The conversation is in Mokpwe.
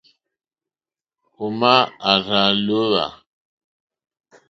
Ò mà àrzá lǒhwà.